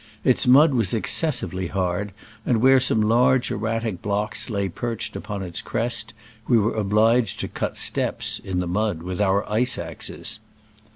Its mud was excessively hard, and where some large erratic blocks lay perched upon its crest we were obliged to cut steps (in the mud) with our ice axes.